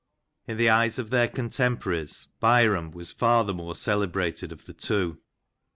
In the eyes of their contemporaries, Byrom was far the more celebrated of the two.